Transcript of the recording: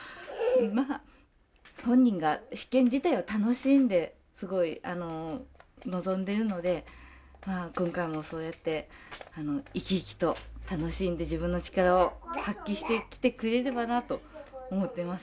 まあ本人が試験自体を楽しんで臨んでいるので今回もそうやって生き生きと楽しんで自分の力を発揮してきてくれればなと思っています。